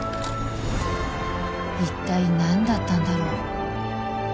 一体何だったんだろう